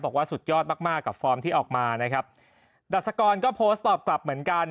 บอกว่าสุดยอดมากมากกับฟอร์มที่ออกมานะครับดัชกรก็โพสต์ตอบกลับเหมือนกัน